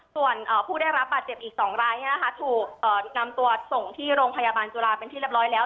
ส่วนผู้ได้รับบาดเจ็บอีก๒รายถูกนำตัวส่งที่โรงพยาบาลจุฬาเป็นที่เรียบร้อยแล้ว